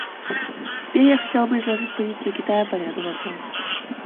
Теперь я хотел бы изложить позицию Китая по ряду вопросов.